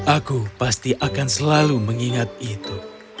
aku pasti akan selalu mengingat itu